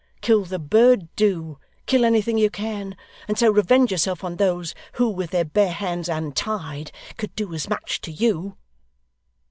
Kill the bird do. Kill anything you can, and so revenge yourself on those who with their bare hands untied could do as much to you!